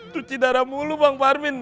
cuci darah mulu bang parmin neng